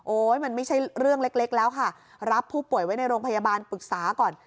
มันไม่ใช่เรื่องเล็กแล้วค่ะรับผู้ป่วยไว้ในโรงพยาบาลปรึกษาก่อน